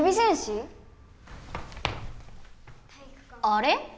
あれ？